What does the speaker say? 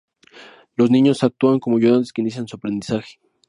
Los niños actuarían como ayudantes que inician su aprendizaje.